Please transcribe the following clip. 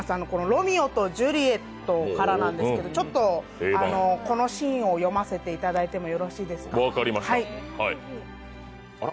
「ロミオとジュリエット」からなんですけど、ちょっとこのノシーンを読ませていただいてもよろしいですか？